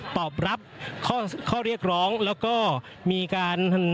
ตอบรับข้อเรียกร้องแล้วก็มีการ